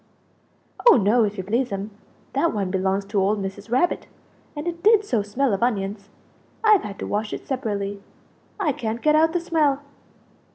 "Oh no, if you please'm; that one belongs to old Mrs. Rabbit; and it did so smell of onions! I've had to wash it separately, I can't get out the smell."